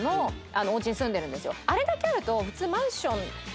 あれだけあると普通。